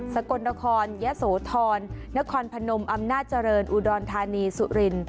กลนครยะโสธรนครพนมอำนาจเจริญอุดรธานีสุริน